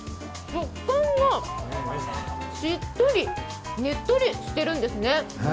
食感がしっとり、ねっとりしてるんですね。